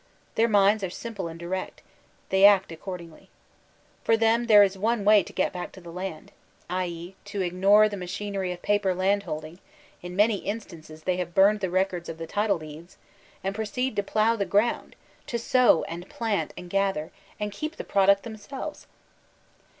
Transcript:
Their minds are simple and direct; they act accordingly. For them* there b one way to "get back to the land" ; i. e., to ignore the machinery of paper land holding (in many instances they have burned the records of the title deeds) and pro ceed to plough the ground, to sow and plant and gadier, and keep the product themselves.